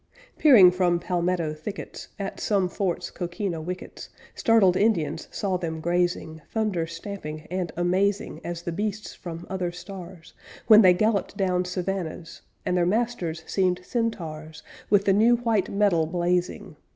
Peering from palmetto thickets At some fort's coquina wickets, Startled Indians saw them grazing, Thunder stamping and amazing As the beasts from other stars, When they galloped down savannas, And their masters seemed centaurs With the new white metal blazing.